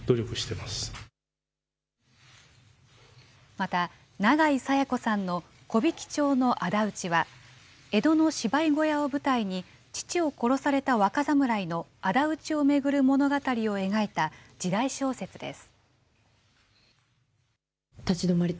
また、永井紗耶子さんの木挽町のあだ討ちは、江戸の芝居小屋を舞台に、父を殺された若侍のあだ討ちを巡る物語を描いた時代小説です。